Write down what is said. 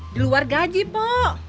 di luar gaji pok